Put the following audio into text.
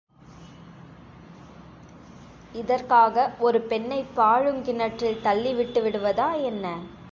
இதற்காக ஒரு பெண்ணைப் பாழுங் கிணற்றில் தள்ளி விட்டுவிடுவதா என்ன?